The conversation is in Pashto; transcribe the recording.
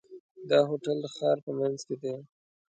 دا هوټل د ښار په منځ کې دی.